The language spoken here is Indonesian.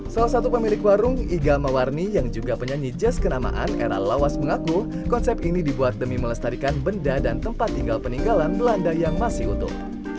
salah satu pemilik warung iga mawarni yang juga penyanyi jazz kenamaan era lawas mengaku konsep ini dibuat demi melestarikan benda dan tempat tinggal peninggalan belanda yang masih utuh